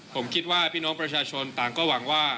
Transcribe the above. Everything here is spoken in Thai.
ผมคิดว่าพี่น้องประชาชนต่างก็หวังว่า